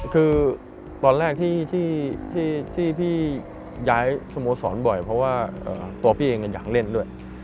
คือตอนแรกที่พี่ย้ายสโมสรบ่อยเพราะว่าตัวพี่เองอยากเล่นด้วย